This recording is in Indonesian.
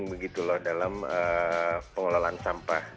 ya itu lah dalam pengelolaan sampah